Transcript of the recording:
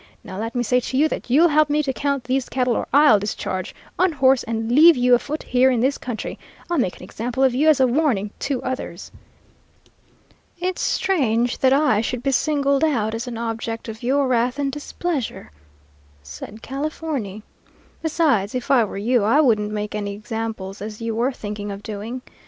Now let me say to you that you'll help me to count these cattle or I'll discharge, unhorse, and leave you afoot here in this country! I'll make an example of you as a warning to others.' "'It's strange that I should be signaled out as an object of your wrath and displeasure,' said Californy. 'Besides, if I were you, I wouldn't make any examples as you were thinking of doing.